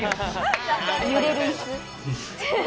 揺れる椅子。